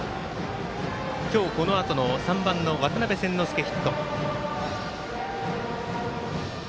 今日、このあとの３番の渡邉千之亮、ヒット。